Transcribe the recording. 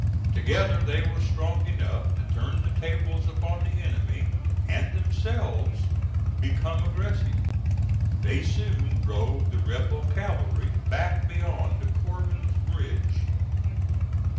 Together they were strong enough to turn the tables upon the enemy and themselves become aggressive. They soon drove the rebel cavalry back beyond Corbin's Bridge.